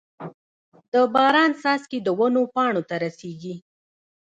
د باران څاڅکي د ونو پاڼو ته رسيږي.